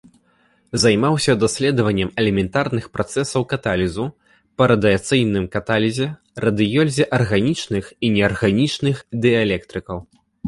Займаўся даследаваннем элементарных працэсаў каталізу, па радыяцыйным каталізе, радыёлізе арганічных і неарганічных дыэлектрыкаў.